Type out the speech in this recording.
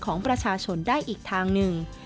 ของประชาชนได้อีกทางหนึ่ง